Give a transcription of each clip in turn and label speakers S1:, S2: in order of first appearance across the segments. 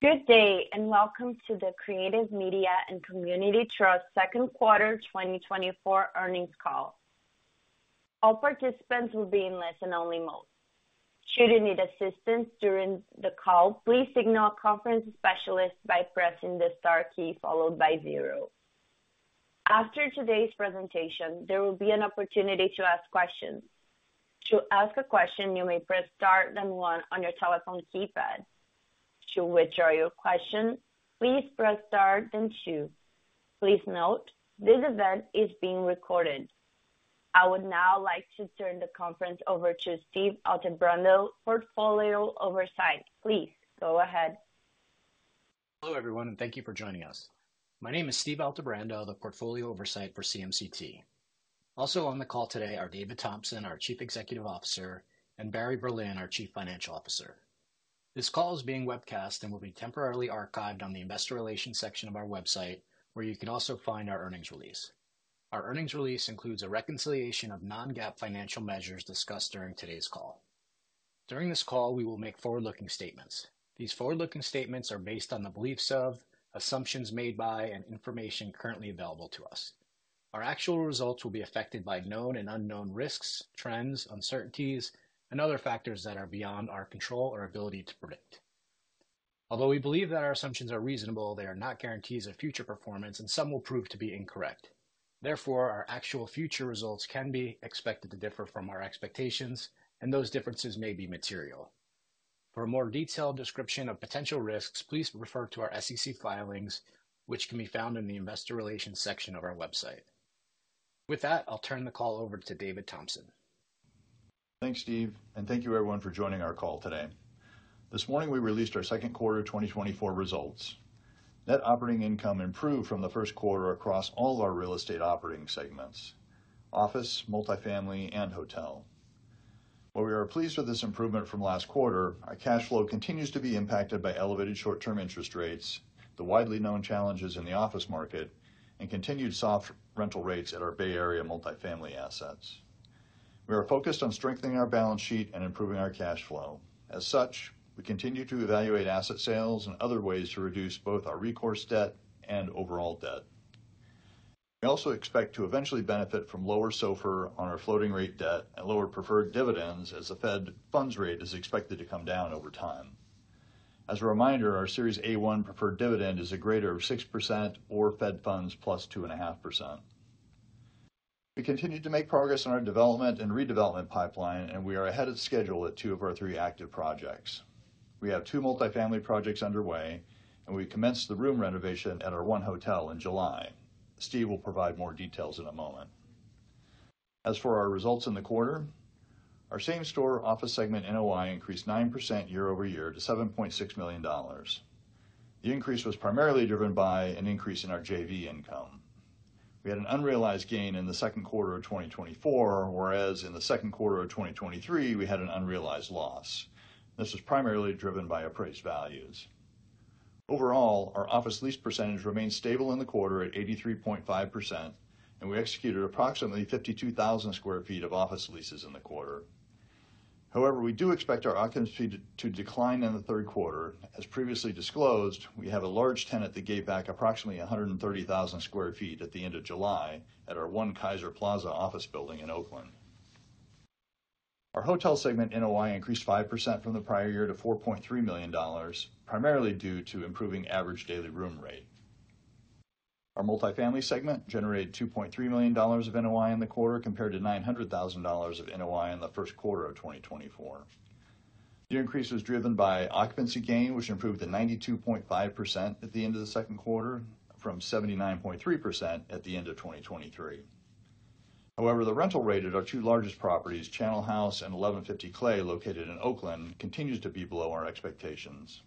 S1: Good day, and welcome to the Creative Media & Community Trust Second Quarter 2024 Earnings Call. All participants will be in listen-only mode. Should you need assistance during the call, please signal a conference specialist by pressing the star key followed by zero. After today's presentation, there will be an opportunity to ask questions. To ask a question, you may press star, then one on your telephone keypad. To withdraw your question, please press star, then two. Please note, this event is being recorded. I would now like to turn the conference over to Steve Altebrando, Portfolio Oversight. Please go ahead.
S2: Hello, everyone, and thank you for joining us. My name is Steve Altebrando, the Portfolio Oversight for CMCT. Also on the call today are David Thompson, our Chief Executive Officer, and Barry Berlin, our Chief Financial Officer. This call is being webcast and will be temporarily archived on the Investor Relations section of our website, where you can also find our earnings release. Our earnings release includes a reconciliation of non-GAAP financial measures discussed during today's call. During this call, we will make forward-looking statements. These forward-looking statements are based on the beliefs of, assumptions made by, and information currently available to us. Our actual results will be affected by known and unknown risks, trends, uncertainties, and other factors that are beyond our control or ability to predict. Although we believe that our assumptions are reasonable, they are not guarantees of future performance, and some will prove to be incorrect. Therefore, our actual future results can be expected to differ from our expectations, and those differences may be material. For a more detailed description of potential risks, please refer to our SEC filings, which can be found in the Investor Relations section of our website. With that, I'll turn the call over to David Thompson.
S3: Thanks, Steve, and thank you everyone for joining our call today. This morning, we released our second quarter 2024 results. Net Operating Income improved from the first quarter across all of our real estate operating segments: office, multifamily, and hotel. While we are pleased with this improvement from last quarter, our cash flow continues to be impacted by elevated short-term interest rates, the widely known challenges in the office market, and continued soft rental rates at our Bay Area multifamily assets. We are focused on strengthening our balance sheet and improving our cash flow. As such, we continue to evaluate asset sales and other ways to reduce both our recourse debt and overall debt. We also expect to eventually benefit from lower SOFR on our floating rate debt and lower preferred dividends as the Fed funds rate is expected to come down over time. As a reminder, our Series A-1 preferred dividend is a greater of 6% or Fed funds plus 2.5%. We continued to make progress on our development and redevelopment pipeline, and we are ahead of schedule at 2 of our 3 active projects. We have 2 multifamily projects underway, and we commenced the room renovation at our 1 hotel in July. Steve will provide more details in a moment. As for our results in the quarter, our same store office segment NOI increased 9% year-over-year to $7.6 million. The increase was primarily driven by an increase in our JV income. We had an unrealized gain in the second quarter of 2024, whereas in the second quarter of 2023, we had an unrealized loss. This was primarily driven by appraised values. Overall, our office lease percentage remained stable in the quarter at 83.5%, and we executed approximately 52,000 sq ft of office leases in the quarter. However, we do expect our occupancy to decline in the third quarter. As previously disclosed, we have a large tenant that gave back approximately 130,000 sq ft at the end of July at our One Kaiser Plaza office building in Oakland. Our hotel segment NOI increased 5% from the prior year to $4.3 million, primarily due to improving average daily room rate. Our multifamily segment generated $2.3 million of NOI in the quarter, compared to $900,000 of NOI in the first quarter of 2024. The increase was driven by occupancy gain, which improved to 92.5% at the end of the second quarter, from 79.3% at the end of 2023. However, the rental rate at our two largest properties, Channel House and 1150 Clay, located in Oakland, continues to be below our expectations.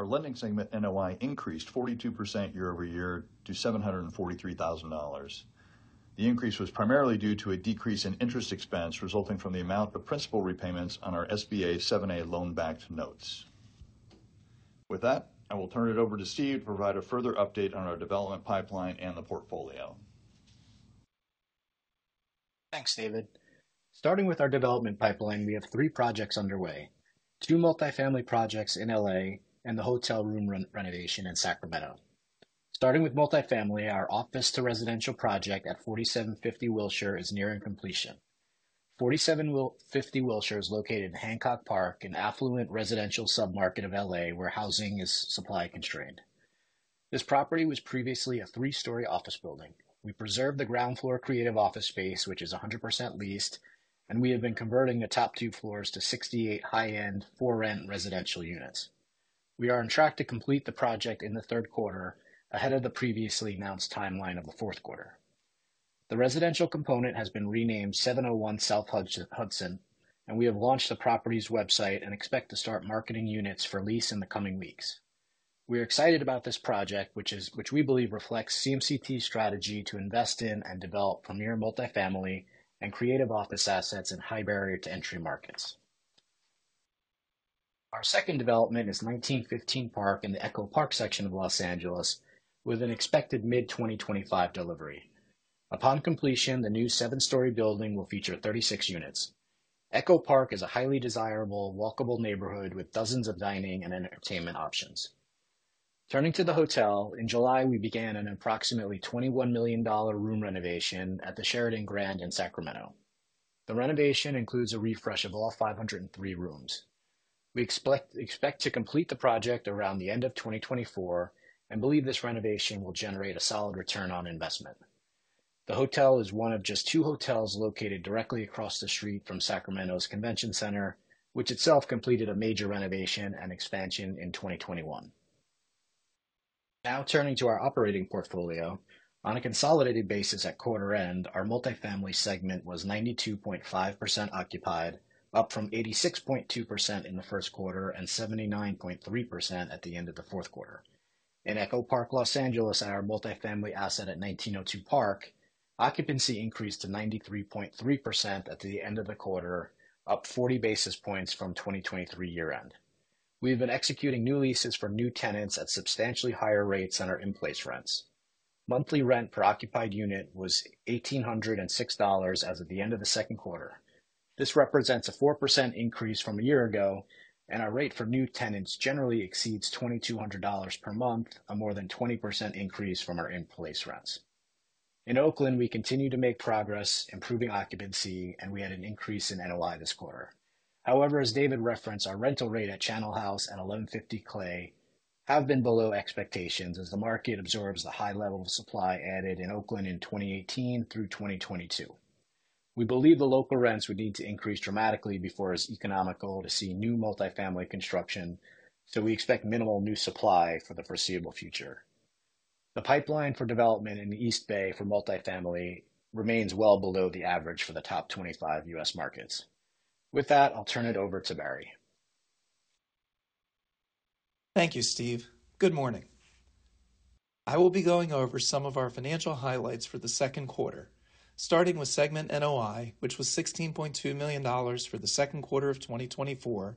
S3: Our lending segment NOI increased 42% year-over-year to $743,000. The increase was primarily due to a decrease in interest expense resulting from the amount of principal repayments on our SBA 7(a) loan-backed notes. With that, I will turn it over to Steve to provide a further update on our development pipeline and the portfolio.
S2: Thanks, David. Starting with our development pipeline, we have 3 projects underway: 2 multifamily projects in LA and the hotel room renovation in Sacramento. Starting with multifamily, our office to residential project at 4750 Wilshire is nearing completion. 4750 Wilshire is located in Hancock Park, an affluent residential submarket of LA, where housing is supply constrained. This property was previously a 3-story office building. We preserved the ground floor creative office space, which is 100% leased, and we have been converting the top 2 floors to 68 high-end, for-rent residential units. We are on track to complete the project in the third quarter, ahead of the previously announced timeline of the fourth quarter. The residential component has been renamed 701 South Hudson, and we have launched the property's website and expect to start marketing units for lease in the coming weeks. We are excited about this project, which we believe reflects CMCT's strategy to invest in and develop premier multifamily and creative office assets in high barrier to entry markets. Our second development is 1915 Park in the Echo Park section of Los Angeles, with an expected mid-2025 delivery. Upon completion, the new 7-story building will feature 36 units. Echo Park is a highly desirable, walkable neighborhood with dozens of dining and entertainment options. Turning to the hotel, in July, we began an approximately $21 million room renovation at the Sheraton Grand Sacramento in Sacramento. The renovation includes a refresh of all 503 rooms. We expect to complete the project around the end of 2024 and believe this renovation will generate a solid return on investment. The hotel is one of just two hotels located directly across the street from Sacramento Convention Center, which itself completed a major renovation and expansion in 2021. Now, turning to our operating portfolio. On a consolidated basis at quarter end, our multifamily segment was 92.5% occupied, up from 86.2% in the first quarter and 79.3% at the end of the fourth quarter. In Echo Park, Los Angeles, at our multifamily asset at 1902 Park, occupancy increased to 93.3% at the end of the quarter, up 40 basis points from 2023 year-end. We've been executing new leases for new tenants at substantially higher rates than our in-place rents. Monthly rent per occupied unit was $1,806 as of the end of the second quarter. This represents a 4% increase from a year ago, and our rate for new tenants generally exceeds $2,200 per month, a more than 20% increase from our in-place rents. In Oakland, we continue to make progress, improving occupancy, and we had an increase in NOI this quarter. However, as David referenced, our rental rate at Channel House and 1150 Clay have been below expectations as the market absorbs the high level of supply added in Oakland in 2018 through 2022. We believe the local rents would need to increase dramatically before it's economical to see new multifamily construction, so we expect minimal new supply for the foreseeable future. The pipeline for development in the East Bay for multifamily remains well below the average for the top 25 U.S. markets. With that, I'll turn it over to Barry.
S4: Thank you, Steve. Good morning. I will be going over some of our financial highlights for the second quarter, starting with segment NOI, which was $16.2 million for the second quarter of 2024,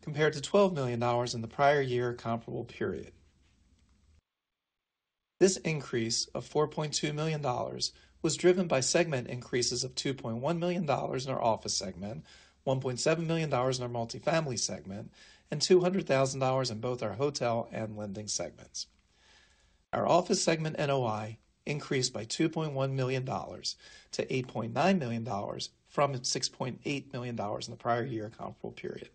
S4: compared to $12 million in the prior year comparable period. This increase of $4.2 million was driven by segment increases of $2.1 million in our office segment, $1.7 million in our multifamily segment, and $200,000 in both our hotel and lending segments. Our office segment NOI increased by $2.1 million to $8.9 million from $6.8 million in the prior year comparable period.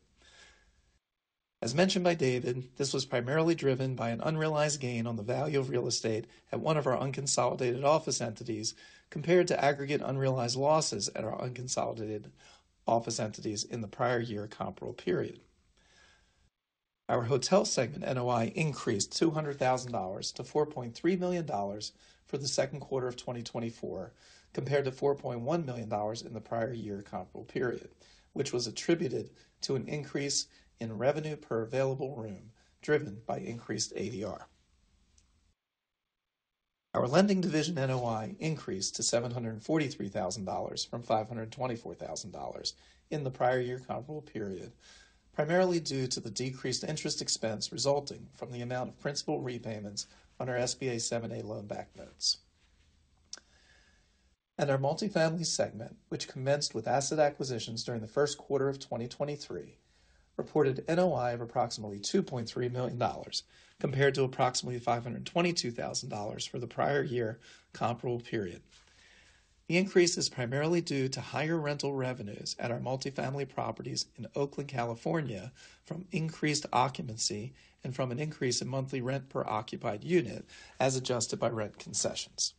S4: As mentioned by David, this was primarily driven by an unrealized gain on the value of real estate at one of our unconsolidated office entities, compared to aggregate unrealized losses at our unconsolidated office entities in the prior year comparable period. Our hotel segment, NOI, increased $200,000 to $4.3 million for the second quarter of 2024, compared to $4.1 million in the prior year comparable period, which was attributed to an increase in revenue per available room, driven by increased ADR. Our lending division, NOI, increased to $743,000 from $524,000 in the prior year comparable period, primarily due to the decreased interest expense resulting from the amount of principal repayments on our SBA 7(a) loan-backed notes. Our multifamily segment, which commenced with asset acquisitions during the first quarter of 2023, reported NOI of approximately $2.3 million, compared to approximately $522,000 for the prior year comparable period. The increase is primarily due to higher rental revenues at our multifamily properties in Oakland, California, from increased occupancy and from an increase in monthly rent per occupied unit, as adjusted by rent concessions.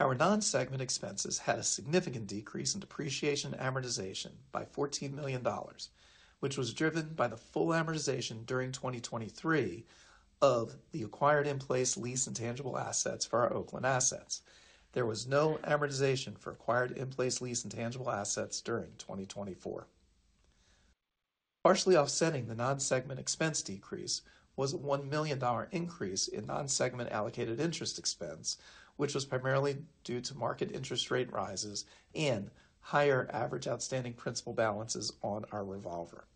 S4: Our non-segment expenses had a significant decrease in depreciation and amortization by $14 million, which was driven by the full amortization during 2023 of the acquired in-place lease and tangible assets for our Oakland assets. There was no amortization for acquired in-place lease and tangible assets during 2024. Partially offsetting the non-segment expense decrease was a $1 million increase in non-segment allocated interest expense, which was primarily due to market interest rate rises and higher average outstanding principal balances on our revolver.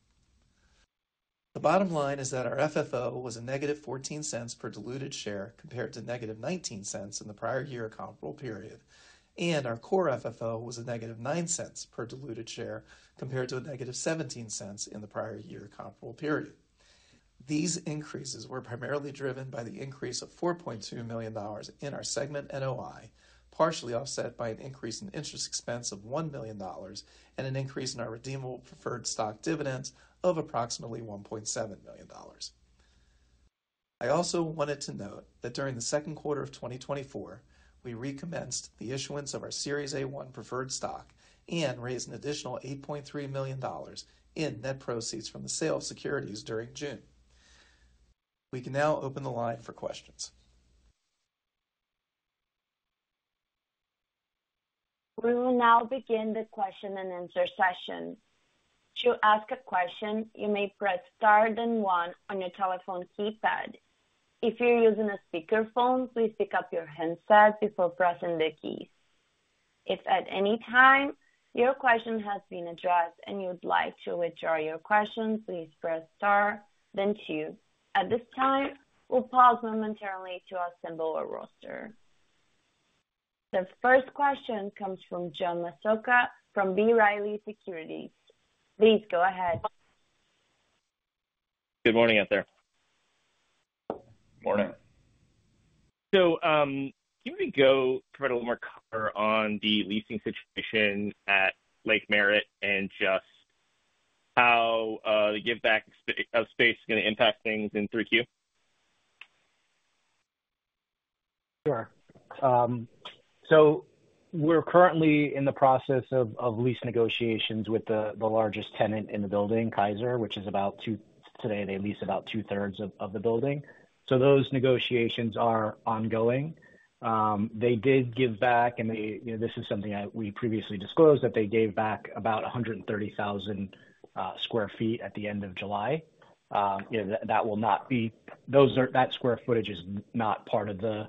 S4: The bottom line is that our FFO was -$0.14 per diluted share, compared to -$0.19 in the prior year comparable period, and our core FFO was -$0.09 per diluted share, compared to -$0.17 in the prior year comparable period. These increases were primarily driven by the increase of $4.2 million in our segment NOI, partially offset by an increase in interest expense of $1 million and an increase in our redeemable preferred stock dividends of approximately $1.7 million. I also wanted to note that during the second quarter of 2024, we recommenced the issuance of our Series A-1 preferred stock and raised an additional $8.3 million in net proceeds from the sale of securities during June. We can now open the line for questions.
S1: We will now begin the question and answer session. To ask a question, you may press Star then one on your telephone keypad. If you're using a speakerphone, please pick up your handset before pressing the keys. If at any time your question has been addressed and you would like to withdraw your question, please press Star then two. At this time, we'll pause momentarily to assemble a roster. The first question comes from John Massocca from B. Riley Securities. Please go ahead....
S5: Good morning out there.
S3: Morning.
S5: Can we go provide a little more color on the leasing situation at Lake Merritt and just how the give back of space is going to impact things in 3Q?
S3: Sure. So we're currently in the process of lease negotiations with the largest tenant in the building, Kaiser, which is about two-thirds. Today, they lease about two-thirds of the building. So those negotiations are ongoing. They did give back, and they, you know, this is something that we previously disclosed, that they gave back about 130,000 sq ft at the end of July. You know, that will not be. Those are. That square footage is not part of the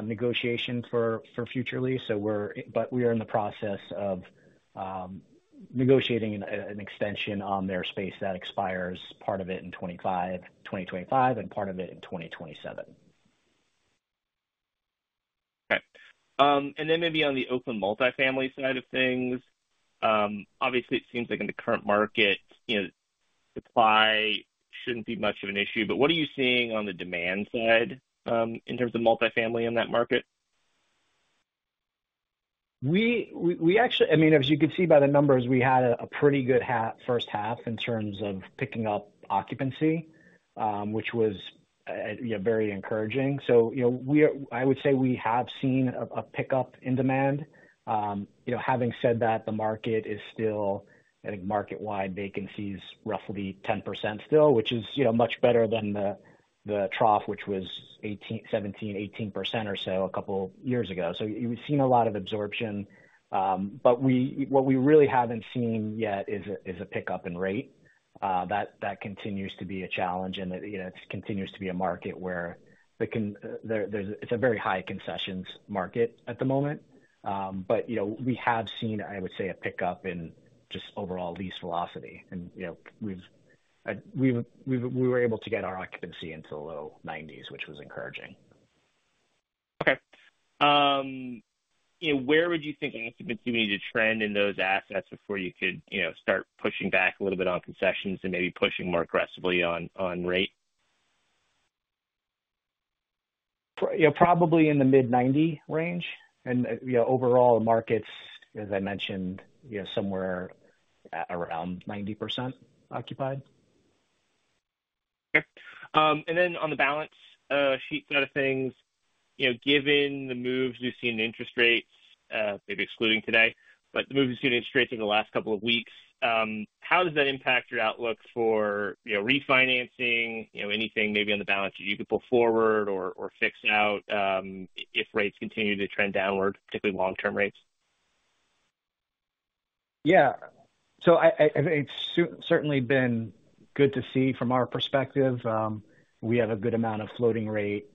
S3: negotiation for future lease. So we're, but we are in the process of negotiating an extension on their space that expires part of it in 2025, twenty twenty-five, and part of it in 2027.
S5: Okay. And then maybe on the Oakland multifamily side of things, obviously it seems like in the current market, you know, supply shouldn't be much of an issue. But what are you seeing on the demand side, in terms of multifamily in that market?
S3: We actually—I mean, as you can see by the numbers, we had a pretty good first half in terms of picking up occupancy, which was, you know, very encouraging. So, you know, we are—I would say we have seen a pickup in demand. You know, having said that, the market is still, I think, market-wide vacancy is roughly 10% still, which is, you know, much better than the trough, which was 18, 17, 18% or so a couple years ago. So we've seen a lot of absorption. But what we really haven't seen yet is a pickup in rate. That continues to be a challenge and, you know, it continues to be a market where it's a very high concessions market at the moment. But, you know, we have seen, I would say, a pickup in just overall lease velocity. And, you know, we were able to get our occupancy into the low 90s, which was encouraging.
S5: Okay. You know, where would you think occupancy need to trend in those assets before you could, you know, start pushing back a little bit on concessions and maybe pushing more aggressively on rate?
S3: You know, probably in the mid-90 range. You know, overall markets, as I mentioned, you know, somewhere around 90% occupied.
S5: Okay. And then on the balance sheet side of things, you know, given the moves we've seen in interest rates, maybe excluding today, but the moves we've seen in interest rates over the last couple of weeks, how does that impact your outlook for, you know, refinancing, you know, anything maybe on the balance sheet you could pull forward or, or fix out, if rates continue to trend downward, particularly long-term rates?
S3: Yeah. So it's certainly been good to see from our perspective. We have a good amount of floating rate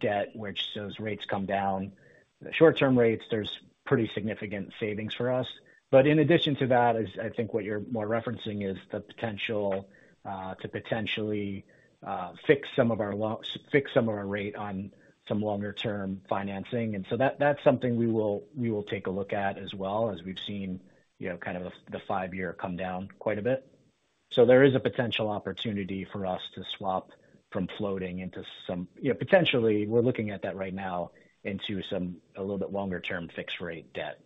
S3: debt, which those rates come down. The short-term rates, there's pretty significant savings for us. But in addition to that, I think what you're more referencing is the potential to potentially fix some of our rate on some longer-term financing. And so that's something we will take a look at as well as we've seen, you know, kind of the five-year come down quite a bit. So there is a potential opportunity for us to swap from floating into some... You know, potentially, we're looking at that right now into some a little bit longer-term fixed rate debt.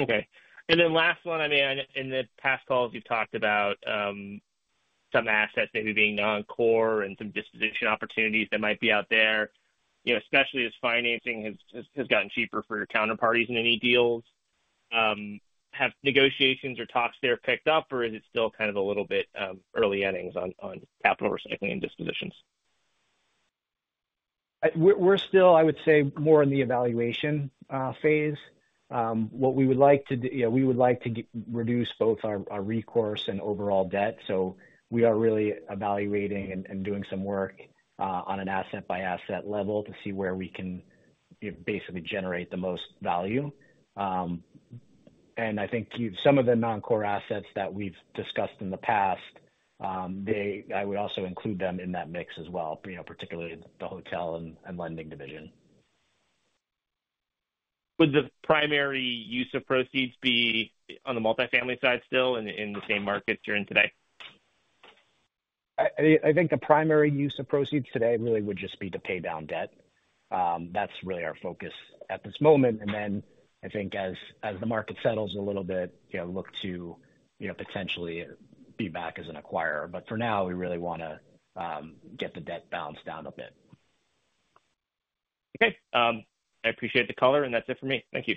S5: Okay. And then last one. I mean, in the past calls, you've talked about some assets maybe being non-core and some disposition opportunities that might be out there, you know, especially as financing has gotten cheaper for your counterparties in any deals. Have negotiations or talks there picked up, or is it still kind of a little bit early innings on capital recycling and dispositions?
S3: We're still, I would say, more in the evaluation phase. What we would like to do—you know, we would like to reduce both our recourse and overall debt. So we are really evaluating and doing some work on an asset-by-asset level to see where we can basically generate the most value. And I think you—some of the non-core assets that we've discussed in the past, they I would also include them in that mix as well, you know, particularly the hotel and lending division.
S5: Would the primary use of proceeds be on the multifamily side still, in the same markets you're in today?
S3: I think the primary use of proceeds today really would just be to pay down debt. That's really our focus at this moment. And then I think as the market settles a little bit, you know, look to, you know, potentially be back as an acquirer. But for now, we really want to get the debt balance down a bit.
S5: Okay, I appreciate the color, and that's it for me. Thank you.